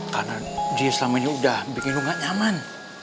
karena dia selama ini udah bikin lu gak nyaman